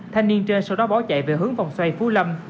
thanh niên trên sau đó bỏ chạy về hướng vòng xoay phú lâm